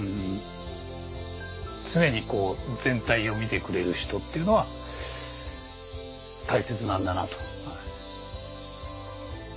常にこう全体を見てくれる人っていうのは大切なんだなと。